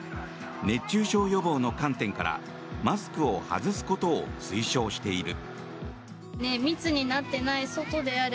熱中症予防の観点からマスクを外すことを推奨している。